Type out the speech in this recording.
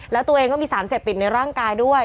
แล้วตัวเองก็มีสารเสพติดในร่างกายด้วย